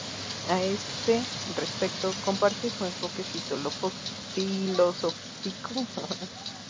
A este respecto, comparte su enfoque filosófico con el realismo filosófico y el pragmatismo.